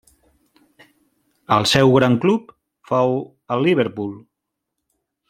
El seu gran club fou el Liverpool.